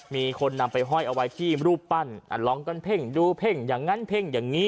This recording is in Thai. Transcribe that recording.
มีคนนำไปห้อยเอาไว้ที่รูปปั้นลองกันเพ่งดูเพ่งอย่างนั้นเพ่งอย่างนี้